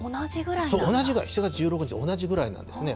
同じぐらい、７月１６日ぐらい、同じぐらいなんですね。